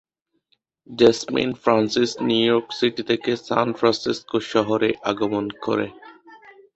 Jasmine Francis New York city থেকে San Francisco শহরে আগমন করে।